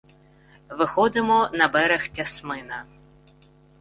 Виходимо на берег Тясмина.